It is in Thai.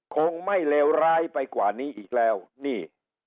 คงไม่เลวร้ายไปกว่านี้อีกแล้วนี่